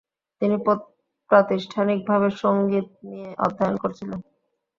তিনি প্রাতিষ্ঠানিকভাবে সঙ্গীত নিয়ে অধ্যয়ন করেছিলেন।